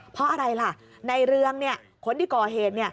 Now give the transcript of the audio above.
เพราะอะไรล่ะในเรืองคนที่ก่อเหตุ